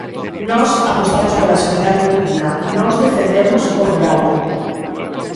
Nós apostamos pola sanidade pública, nós defendemos o rural.